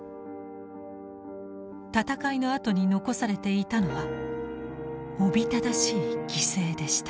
戦いのあとに残されていたのはおびただしい犠牲でした。